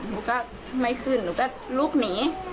หนูก็ไม่ขึ้นหนูก็ลุกหนี